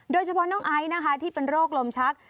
โดยเฉพาะน้องไอซ์นะคะที่เป็นโรคลมชัก